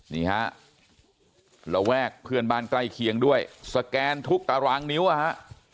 นี่ฮะระแวกเพื่อนบ้านใกล้เคียงด้วยสแกนทุกตารางนิ้วอ่ะฮะ